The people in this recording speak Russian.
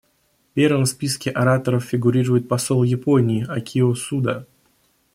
Первым в списке ораторов фигурирует посол Японии Акио Суда.